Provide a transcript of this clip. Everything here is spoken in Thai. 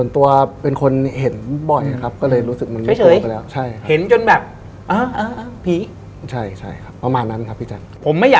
ต้องลองดูพี่แจ๊กเปิด